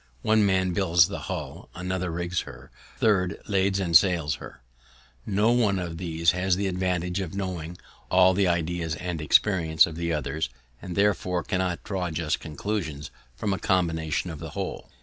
One man builds the hull, another rigs her, a third lades and sails her. No one of these has the advantage of knowing all the ideas and experience of the others, and, therefore, cannot draw just conclusions from a combination of the whole.